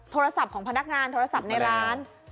โทรศัพท์ของพนักงานโทรศัพท์ในร้าน